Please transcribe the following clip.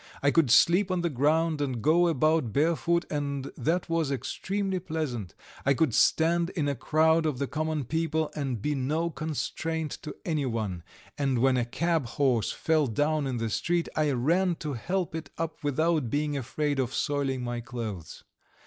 I could sleep on the ground and go about barefoot, and that was extremely pleasant; I could stand in a crowd of the common people and be no constraint to anyone, and when a cab horse fell down in the street I ran to help it up without being afraid of soiling my clothes.